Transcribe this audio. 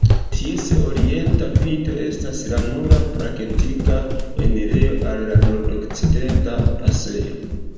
Ties orienta pinto estas la nura praktika enirejo al la Nordokcidenta pasejo.